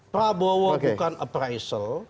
prabowo bukan appraisal